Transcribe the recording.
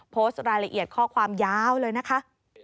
โพสต์รายละเอียดข้อความยาวเลยนะคะ